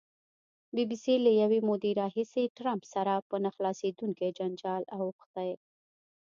بي بي سي له یوې مودې راهیسې ټرمپ سره په نه خلاصېدونکي جنجال اوښتې.